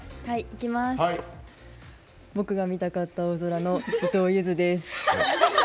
僕が見たかった青空の伊藤ゆずです。